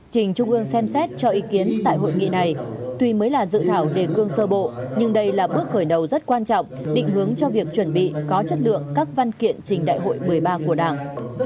trình trung ương xem xét cho ý kiến tại hội nghị này tuy mới là dự thảo đề cương sơ bộ nhưng đây là bước khởi đầu rất quan trọng định hướng cho việc chuẩn bị có chất lượng các văn kiện trình đại hội một mươi ba của đảng